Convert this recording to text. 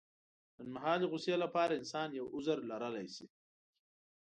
لنډمهالې غوسې لپاره انسان يو عذر لرلی شي.